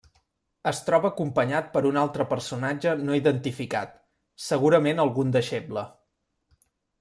Es troba acompanyat per un altre personatge no identificat, segurament algun deixeble.